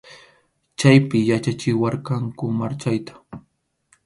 Chaypi yachachiwarqanku marchayta.